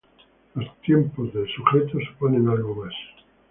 Los tiempos del sujeto suponen algo más.